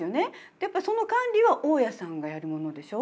やっぱその管理は大家さんがやるものでしょ。